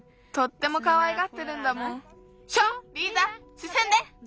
すすんで！